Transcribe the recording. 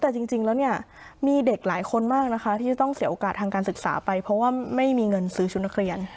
แต่จริงแล้วเนี่ยมีเด็กหลายคนมากนะคะที่จะต้องเสียโอกาสทางการศึกษาไปเพราะว่าไม่มีเงินซื้อชุดนักเรียน